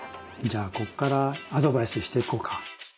じゃあこっからアドバイスしていこうか。